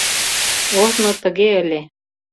Ожно тыге ыле.